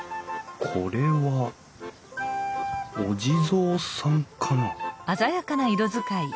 これはお地蔵さんかな？